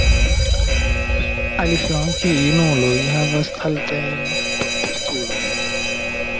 Aliflanke, junuloj havas altajn pagpostulojn.